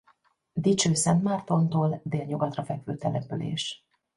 Dicsőszentmártontól délnyugatra fekvő település.